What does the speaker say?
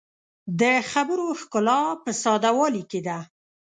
د خبرو ښکلا په ساده والي کې ده